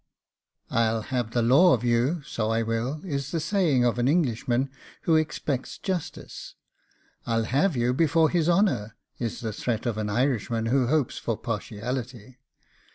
'I'll have the law of you, so I will!' is the saying of an Englishman who expects justice. 'I'll have you before his honour,' is the threat of an Irishman who hopes for partiality.